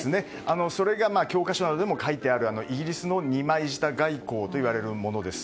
それが教科書などでも書いてあるイギリスの二枚舌外交といわれるものです。